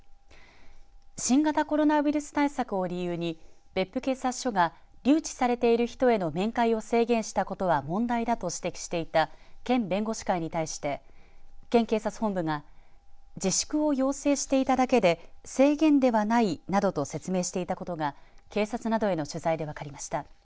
新型コロナウイルス対策を理由に別府警察署が留置されている人への面会を制限したことは問題だと指摘していた県弁護士会に対して県警察本部が自粛を要請していただけで制限ではないなどと説明していたことが警察などへの取材で分かりました。